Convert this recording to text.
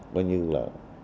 nói như là